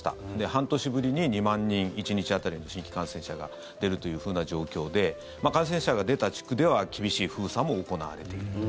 半年ぶりに２万人１日当たりの新規感染者が出るというふうな状況で感染者が出た地区では厳しい封鎖も行われていると。